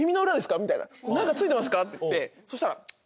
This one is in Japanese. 「何か付いてますか？」って言ってそしたら。